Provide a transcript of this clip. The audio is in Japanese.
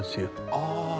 ああ。